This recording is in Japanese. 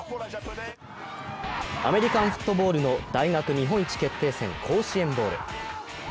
アメリカンフットボールの大学日本一決定戦、甲子園ボウル。